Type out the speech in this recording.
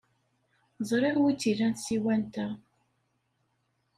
Ẓriɣ wi tt-ilan tsiwant-a.